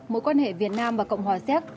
mối quan hệ việt nam và cộng hòa siếc